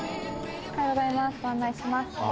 おはようございます。